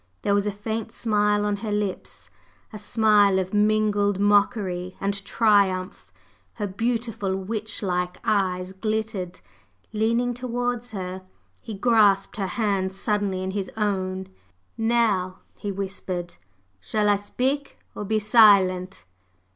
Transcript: There was a faint smile on her lips a smile of mingled mockery and triumph, her beautiful witch like eyes glittered. Leaning towards her, he grasped her hands suddenly in his own. "Now," he whispered, "shall I speak or be silent?"